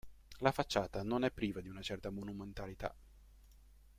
La facciata non è priva di una certa monumentalità.